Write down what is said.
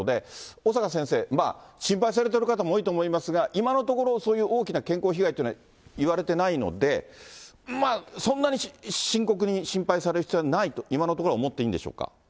小坂先生、心配されている方も多いと思いますが、今のところ、そういう大きな健康被害というのはいわれてないので、まあ、そんなに深刻に心配される必要はないと、今のところは思っていいんでしょうか？